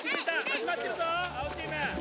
始まってるぞ青チーム！